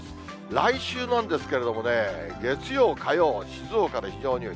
来週なんですけれどもね、月曜、火曜、静岡で非常に多い。